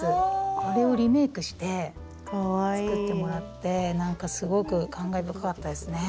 あれをリメークして作ってもらってなんかすごく感慨深かったですね。